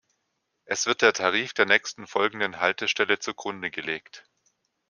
Es wird der Tarif der nächsten folgenden Haltestelle zugrunde gelegt.